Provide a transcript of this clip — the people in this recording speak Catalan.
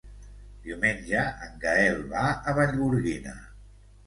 Diumenge en Gaël va a Vallgorguina.